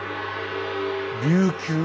「琉球」？